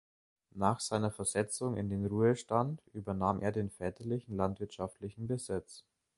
Nach seiner Versetzung in den Ruhestand übernahm er den väterlichen landwirtschaftlichen Besitz.